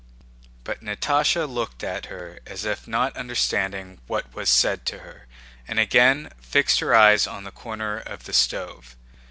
But Natásha looked at her as if not understanding what was said to her and again fixed her eyes on the corner of the stove.